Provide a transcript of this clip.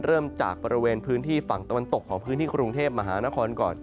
เริ่มจากบริเวณพื้นที่ฝั่งตะวันตกของพื้นที่กรุงเทพมหานครก่อน